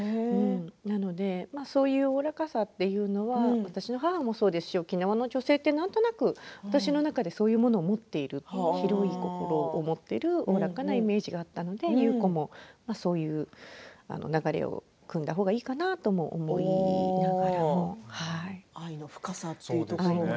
なので、そういうおおらかさというのは私の母もそうですし沖縄の女性って、なんとなく私の中でそういうものを持っている広い心を持っているおおらかなイメージがあったので優子もそういう流れをくんだほうがいいかなと思いながら。